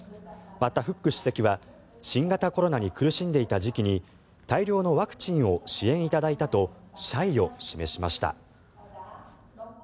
またフック主席は新型コロナに苦しんでいた時期に大量のワクチンを支援いただいたと謝意を示しました。